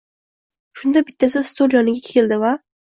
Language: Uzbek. Shunda bittasi stoli yoniga keldi va